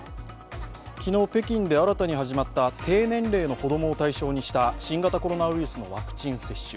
昨日、北京で新たに始まった低年齢の子供を対象にした新型コロナウイルスのワクチン接種。